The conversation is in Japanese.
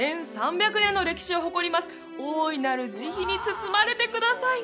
１３００年の歴史を誇ります大いなる慈悲に包まれてください